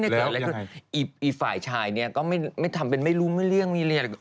ไอฝ่ายชายนี่ก็ไม่ทำเป็นไม่รู้ไม่เลี่ยวนะ